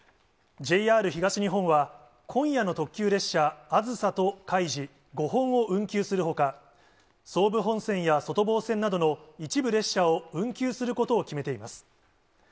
ＪＲ東日本は、今夜の特急列車あずさとかいじ５本を運休するほか、総武本線や外房線などの一部列車を運休することを決めています。